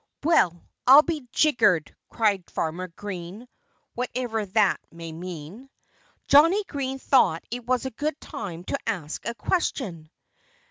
"Well, I'll be jiggered!" cried Farmer Green whatever that may mean. Johnnie Green thought it was a good time to ask a question.